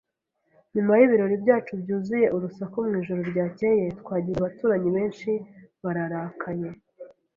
Nyuma y'ibirori byacu byuzuye urusaku mu ijoro ryakeye, twagize abaturanyi benshi bararakaye.